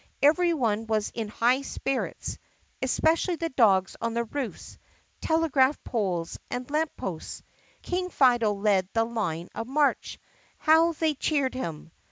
Every one was in high spirits (especially the dogs on the roofs, telegraph poles, and lamp posts). King Fido led the line of march. How they cheered him!